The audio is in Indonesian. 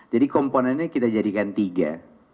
jadi komponennya kita jadikan tiga